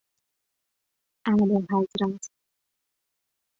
اعلیحضرت